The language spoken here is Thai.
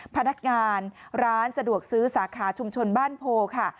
พนักงานร้านสะดวกซื้อสาขาชุมชนบ้านโพค่ะ